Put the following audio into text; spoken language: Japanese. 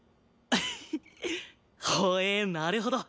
ほえなるほど。